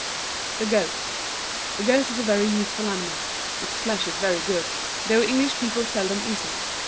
THE GOAT. The goat is a very useful animal. Its flesh is very good, though English people seldom eat it.